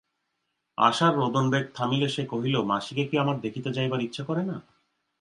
আশার রোদনবেগ থামিলে সে কহিল, মাসিকে কি আমার দেখিতে যাইবার ইচ্ছা করে না।